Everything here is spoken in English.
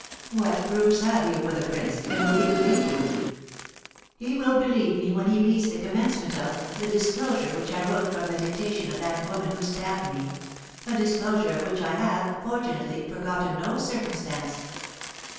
"What proofs have you for the prince, and will he believe you?" "He will believe me when he reads the commencement of, the disclosure which I wrote from the dictation of that woman who stabbed me, a disclosure of which I have, fortunately, forgotten no circumstance.